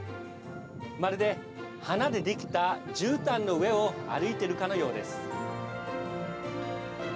まるで花でできたじゅうたんの上を歩いているかのようです。